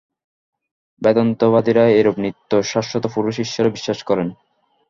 বেদান্তবাদীরা এরূপ নিত্য শাশ্বত পুরুষ ঈশ্বরে বিশ্বাস করেন।